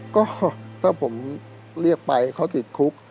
ก็ถ้าผมเรียกไปเขาติดคุก